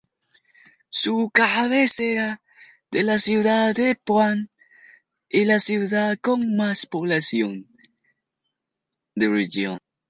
Su cabecera es la ciudad de Puan y la ciudad con más población, Darregueira.